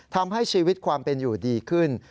ทำให้ชีวิตความเป็นอยู่ดีขึ้น